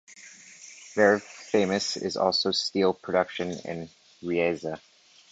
Very famous is also the steel production in Riesa.